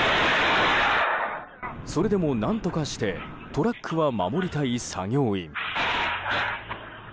それでも何とかしてトラックは守りたい作業員。